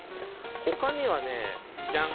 ほかにはねじゃん。